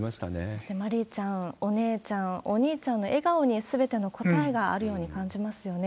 そして、まりいちゃん、お姉ちゃん、お兄ちゃんの笑顔にすべての答えがあるように感じますよね。